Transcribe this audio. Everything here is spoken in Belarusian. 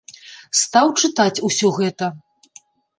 Стаў чытаць усё гэта.